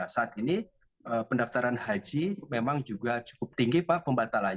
saat ini pendaftaran haji memang juga cukup tinggi pak pembatalan